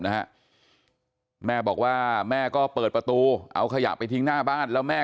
นะฮะแม่บอกว่าแม่ก็เปิดประตูเอาขยะไปทิ้งหน้าบ้านแล้วแม่